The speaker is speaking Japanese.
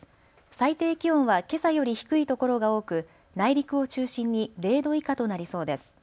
最低気温はけさより低い所が多く内陸を中心に０度以下となりそうです。